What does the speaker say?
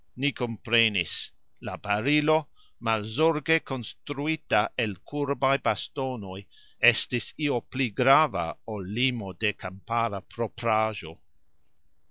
Ni komprenis. La barilo, malzorge konstruita el kurbaj bastonoj, estis io pli grava, ol limo de kampara proprajxo...